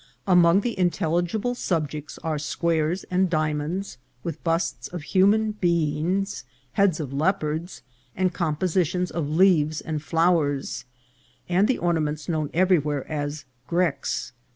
Among the intelligible subjects are squares and diamonds, with busts of human beings, heads of leopards, and compositions of leaves and flowers, and the ornaments known everywhere as grecques.